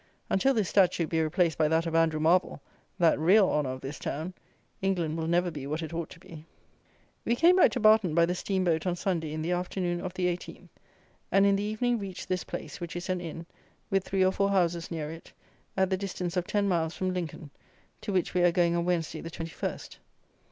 Until this statue be replaced by that of Andrew Marvell, that real honour of this town, England will never be what it ought to be. We came back to Barton by the steam boat on Sunday in the afternoon of the 18th, and in the evening reached this place, which is an inn, with three or four houses near it, at the distance of ten miles from Lincoln, to which we are going on Wednesday, the 21st.